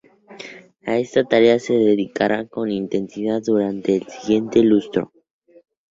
A esta tarea se dedicará, con intensidad, durante el siguiente lustro.